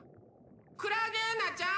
クラゲーナちゃん。